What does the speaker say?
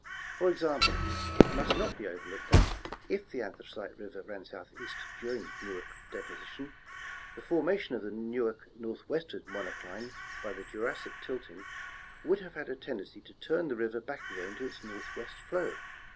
For example, it must not be overlooked that, if the Anthracite river ran southeast during Newark deposition, the formation of the Newark northwestward monocline by the Jurassic tilting would have had a tendency to turn the river back again to its northwest flow.